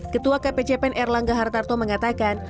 ketua kpcpen erlangga hartarto mengatakan